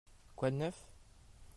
Quoi de neuf ?